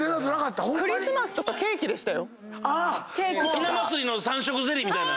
ひな祭りの三色ゼリーみたいな。